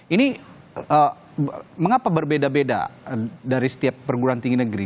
ini mengapa berbeda beda dari setiap perguruan tinggi negeri